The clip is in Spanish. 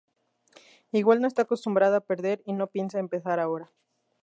Igual no está acostumbrada a perder y no piensa empezar ahora.